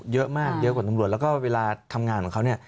เยอะมากเยอะกว่าตำรวจแล้วก็เวลาทำงานของเขาเนี่ย